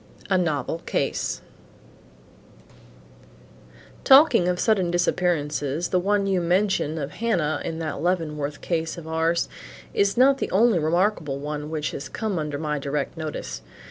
A NOVEL CASE "Talking of sudden disappearances the one you mention of Hannah in that Leavenworth case of ours, is not the only remarkable one which has come under my direct notice.